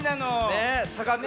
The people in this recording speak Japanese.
ねえ。